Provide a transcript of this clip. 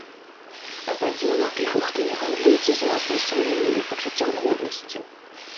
А падзел на тых, хто не гандлюецца з уласным сумленнем і пачуццём годнасці.